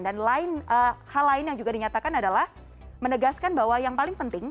dan hal lain yang juga dinyatakan adalah menegaskan bahwa yang paling penting